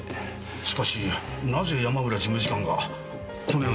しかしなぜ山浦事務次官がこのような場所に？